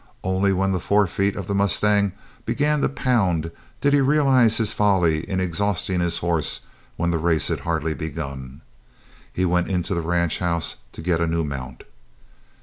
Only when the forefeet of the mustang began to pound did he realize his folly in exhausting his horse when the race was hardly begun. He went into the ranch house to get a new mount.